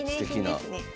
すてきな。